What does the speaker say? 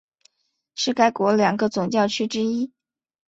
是该国两个总教区之一。